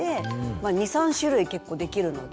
２３種類結構できるので。